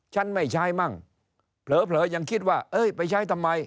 ฉันไม่ใช้มั่งเผลอยังคิดว่าเอ้ยไปใช้ทำไม